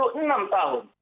ustianya enam puluh enam tahun